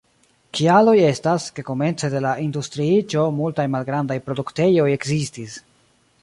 Kialoj estas, ke komence de la industriiĝo multaj malgrandaj produktejoj ekzistis.